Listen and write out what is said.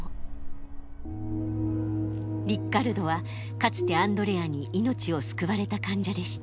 リッカルドはかつてアンドレアに命を救われた患者でした。